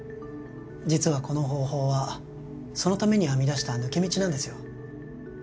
実はこの方法はそのために編み出した抜け道なんですよ